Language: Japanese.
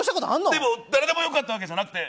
でも誰でもよかったわけじゃなくて。